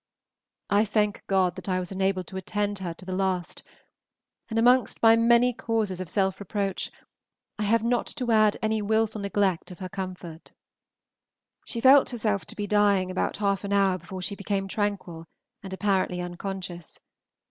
I thank God that I was enabled to attend her to the last, and amongst my many causes of self reproach I have not to add any wilful neglect of her comfort. She felt herself to be dying about half an hour before she became tranquil and apparently unconscious.